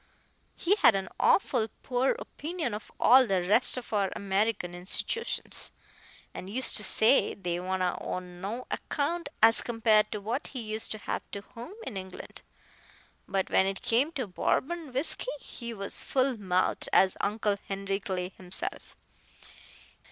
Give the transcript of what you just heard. He had an awful poor opinion of all the rest of our American institootions, and used to say they wa'n't o' no account as compared to what he used to have to home in England; but when it come to Bourbon whisky, he was as full mouthed as Uncle Henry Clay himself.